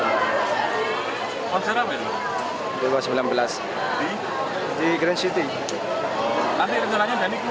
nanti rencananya dhani keluar atau gimana